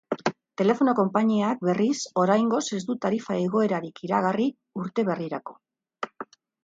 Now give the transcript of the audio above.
Telefono konpainiak, berriz, oraingoz ez du tarifa igoerarik iragarri urte berrirako.